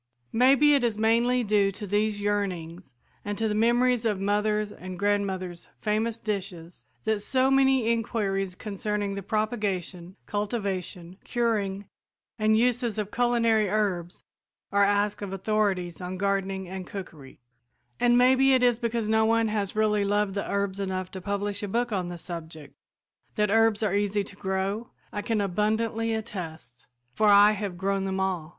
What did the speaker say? Maybe it is mainly due to these yearnings and to the memories of mother's and grandmother's famous dishes that so many inquiries concerning the propagation, cultivation, curing and uses of culinary herbs are asked of authorities on gardening and cookery; and maybe it is because no one has really loved the herbs enough to publish a book on the subject. That herbs are easy to grow I can abundantly attest, for I have grown them all.